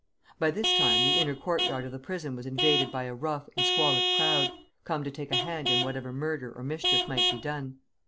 By this time the inner courtyard of the prison was invaded by a rough and squalid crowd, come to take a hand in whatever murder or mischief might be done.